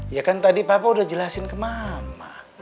ya kan tadi papa udah jelasin ke mama